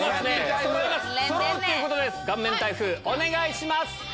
顔面台風お願いします！